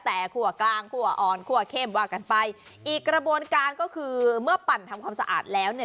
แต่คั่วกลางคั่วอ่อนคั่วเข้มว่ากันไปอีกกระบวนการก็คือเมื่อปั่นทำความสะอาดแล้วเนี่ย